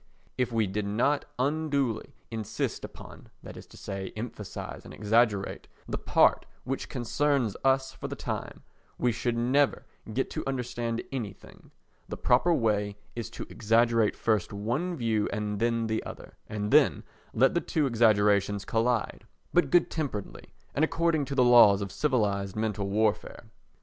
If we did not unduly insist upon—that is to say, emphasise and exaggerate—the part which concerns us for the time, we should never get to understand anything; the proper way is to exaggerate first one view and then the other, and then let the two exaggerations collide, but good temperedly and according to the laws of civilised mental warfare.